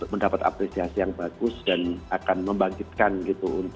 mendapat apresiasi yang bagus dan akan membangkitkan gitu